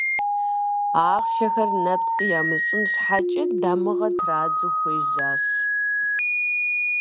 Ахъшэхэр нэпцӏу ямыщӏын щхьэкӏэ, дамыгъэ традзэу хуежьащ.